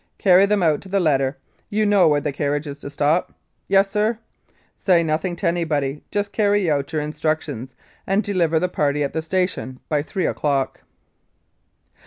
"Carry them out to the letter you know where the carriage is to stop?" "Yes, sir." "Say nothing to anybody, just carry out your instruc tions, and deliver the party at the station by three o'clock."